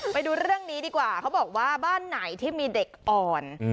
ไปดูเรื่องนี้ดีกว่าเขาบอกว่าบ้านไหนที่มีเด็กอ่อน